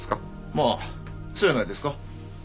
まあそやないですか？